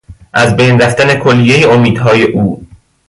از بین رفتن کلیهی امیدهای او